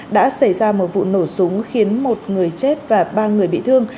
đã xảy ra một vụ nổ súng khiến một người chết và ba người bị thương